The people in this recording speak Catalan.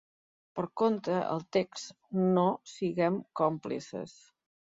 Per contra, el text No siguem còmplices.